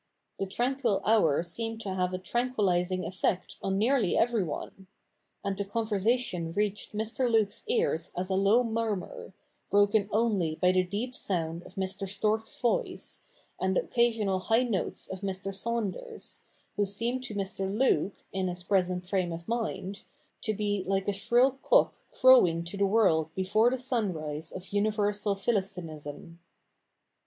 The tranquil hour seemed to have a tranquillising effect on nearly every one ; and the conversation reached Mr. Luke's ears as a low murmur, broken only by the deep sound of Mr. Storks's voice, and the occasional high notes of Mr. Saunders, who seemed to Mr. Luke, in his present frame of mind, to be like a shrill cock crowing to the world before the sun rise of universal Philistinism.